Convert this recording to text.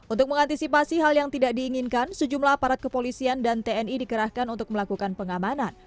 untuk mengantisipasi hal yang tidak diinginkan sejumlah aparat kepolisian dan tni dikerahkan untuk melakukan pengamanan